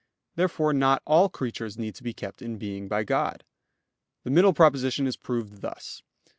Therefore not all creatures need to be kept in being by God. The middle proposition is proved thus.